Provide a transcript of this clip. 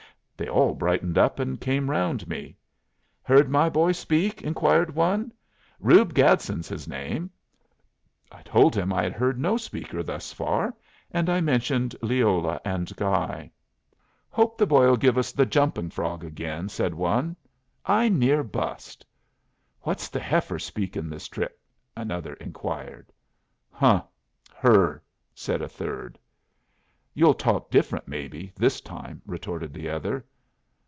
They all brightened up and came round me. "Heard my boy speak?" inquired one. "Reub Gadsden's his name." I told him I had heard no speaker thus far; and I mentioned Leola and Guy. "Hope the boy'll give us 'The Jumping Frog' again," said one. "I near bust." "What's the heifer speakin' this trip?" another inquired. "Huh! Her!" said a third. "You'll talk different, maybe, this time," retorted the other.